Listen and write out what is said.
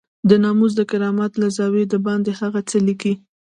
د ناموس د کرامت له زاويې دباندې هغه څه ليکي.